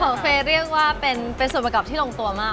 เฟย์เรียกว่าเป็นส่วนประกอบที่ลงตัวมาก